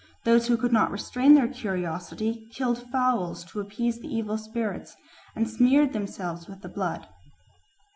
Those who could not restrain their curiosity killed fowls to appease the evil spirits and smeared themselves with the blood.